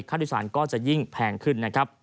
ค่าโดยสารก็จะยิ่งแพงขึ้น